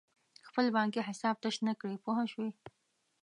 خپل بانکي حساب تش نه کړې پوه شوې!.